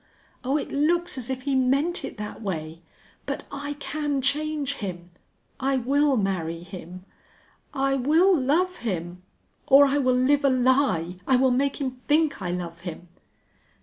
Oh, it looks as if he meant it that way!... But I can change him. I will marry him. I will love him or I will live a lie! I will make him think I love him!"